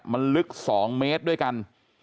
มันลึก๒เมตรด้วยกัน